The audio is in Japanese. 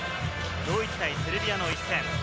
ドイツ対セルビアの一戦。